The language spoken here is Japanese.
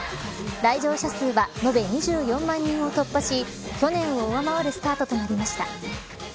来場者数は延べ２４万人を突破し去年を上回るスタートとなりました。